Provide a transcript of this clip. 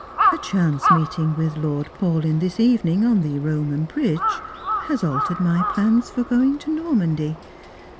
" A chance meeting with Lord Paulyn this evening on the Roman bridge has altered my plans for going to Normandy.